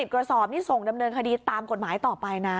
กระสอบนี่ส่งดำเนินคดีตามกฎหมายต่อไปนะ